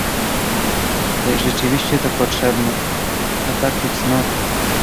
"Tej rzeczywiście to potrzebne: ataki cnoty!"